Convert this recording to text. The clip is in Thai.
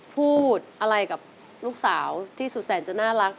พูดอะไรกับลูกสาวที่สุดแสนจะน่ารัก